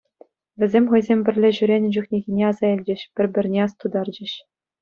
Вӗсем хӑйсем пӗрле ҫӳренӗ чухнехине аса илчӗҫ, пӗр-пӗрне астутарчӗҫ.